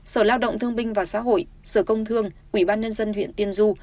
sở lao động thương binh và xã hội sở công thương ủy ban nhân dân huyện tiên du